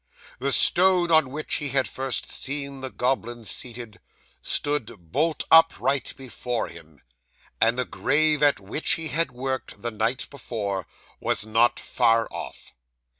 The stone on which he had first seen the goblin seated, stood bolt upright before him, and the grave at which he had worked, the night before, was not far off.